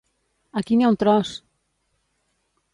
Aquí n'hi ha un tros!